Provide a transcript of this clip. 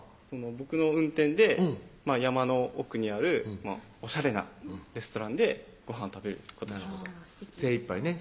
僕の運転で山の奥にあるおしゃれなレストランでごはんを食べることになりました精いっぱいね